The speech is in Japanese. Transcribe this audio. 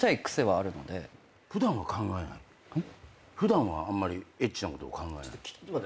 普段はあんまりエッチなことを考えない？